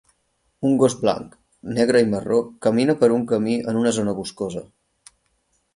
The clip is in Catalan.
Un gos blanc, negre i marró camina per un camí en una zona boscosa.